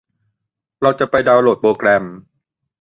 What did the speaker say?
เราจะไปดาวน์โหลดโปรแกรม